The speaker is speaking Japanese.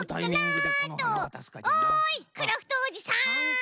おいクラフトおじさん。